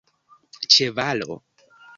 ĉevalo